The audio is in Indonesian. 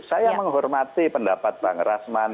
saya menghormati pendapat bang rasman